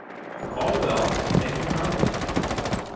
"All well, and thank you kindly."